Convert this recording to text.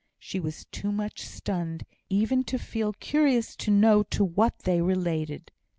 She was too much stunned even to feel curious to know to what they related.